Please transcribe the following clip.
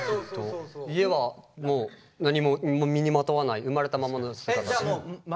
家はもう何も身にまとわない生まれたままの姿して。